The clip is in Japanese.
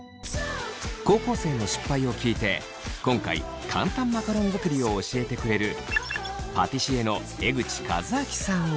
高校生の失敗を聞いて今回簡単マカロン作りを教えてくれるパティシエの江口和明さんは。